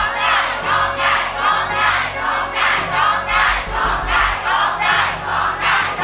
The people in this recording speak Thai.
โทษใจโทษใจโทษใจโทษใจ